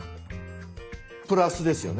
プラスですよね？